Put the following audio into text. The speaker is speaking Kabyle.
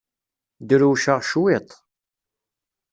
Drewceɣ cwiṭ.